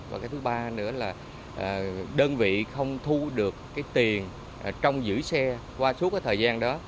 và cái thứ ba nữa là đơn vị không thu được cái tiền trong giữ xe qua suốt cái thời gian đó